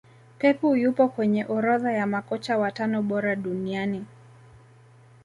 pepu yupo kwenye orodha ya makocha watano bora duniania